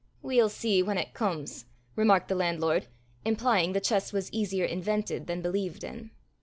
"We'll see whan it comes," remarked the landlord, implying the chest was easier invented than believed in.